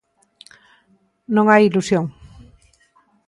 Non hai ilusión.